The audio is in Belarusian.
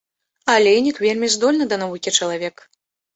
Алейнік вельмі здольны да навукі чалавек.